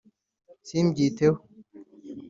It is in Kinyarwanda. simbyiteho